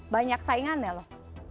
banyak saingannya loh